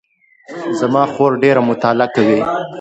زما خور ډېره مطالعه کوي